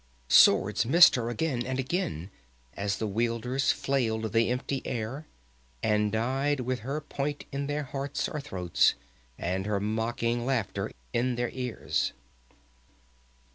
Swords missed her again and again as the wielders flailed the empty air and died with her point in their hearts or throats, and her mocking laughter in their ears.